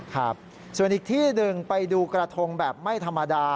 ครับส่วนอีกที่หนึ่งไปดูกระทงแบบไม่ธรรมดา